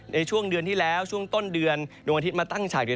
ในช่วงเดือนที่แล้วช่วงต้นเดือนดวงอาทิตย์มาตั้งฉากอยู่